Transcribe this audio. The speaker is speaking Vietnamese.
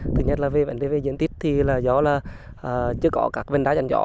thứ nhất là về bản đề về diện tích thì do là chưa có các vần đá chẳng rõ